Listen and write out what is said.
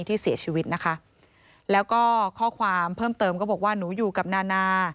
ที่เสียชีวิตนะคะแล้วก็ข้อความเพิ่มเติมก็บอกว่า